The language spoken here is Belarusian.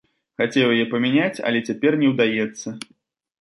Хацеў яе памяняць, але цяпер не ўдаецца.